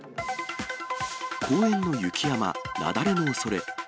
公園の雪山、雪崩のおそれ。